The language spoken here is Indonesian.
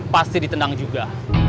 pasti ditendang juga